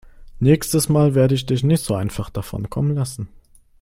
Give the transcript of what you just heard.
Nächstes Mal werde ich dich nicht so einfach davonkommen lassen.